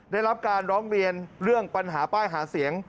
ได้รับการร้องเรียนเรื่องปัญหาป้ายหาเสียง